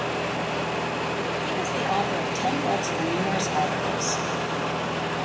He was the author of ten books and numerous articles.